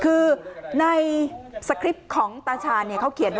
คือในสคริปต์ของตาชาญเขาเขียนว่า